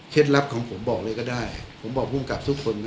ลับของผมบอกเลยก็ได้ผมบอกภูมิกับทุกคน